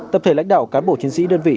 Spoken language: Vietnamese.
tập thể lãnh đạo cán bộ chiến sĩ đơn vị